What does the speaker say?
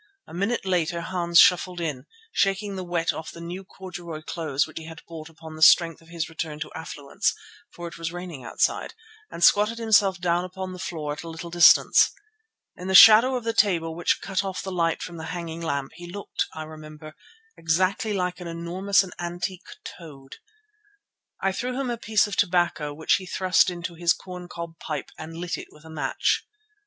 A minute later Hans shuffled in, shaking the wet off the new corduroy clothes which he had bought upon the strength of his return to affluence, for it was raining outside, and squatted himself down upon the floor at a little distance. In the shadow of the table which cut off the light from the hanging lamp he looked, I remember, exactly like an enormous and antique toad. I threw him a piece of tobacco which he thrust into his corn cob pipe and lit with a match.